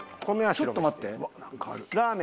ちょっと待って。